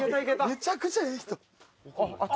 「めちゃくちゃええ人！」